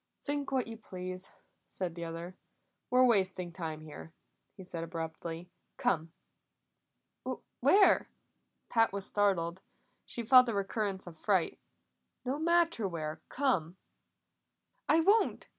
"Think what you please," said the other. "We're wasting time here," he said abruptly. "Come." "Where?" Pat was startled; she felt a recurrence of fright. "No matter where. Come." "I won't!